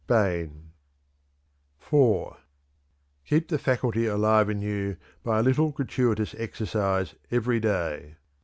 Bain. IV. "Keep the faculty alive in you by a little gratuitous exercise every day.